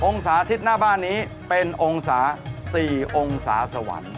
สาธิตหน้าบ้านนี้เป็นองศา๔องศาสวรรค์